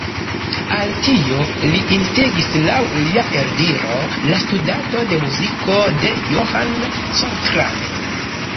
Al tio lin instigis laŭ lia eldiro la studado de muziko de John Coltrane.